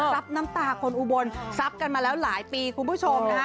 รับน้ำตาคนอุบลทรัพย์กันมาแล้วหลายปีคุณผู้ชมนะคะ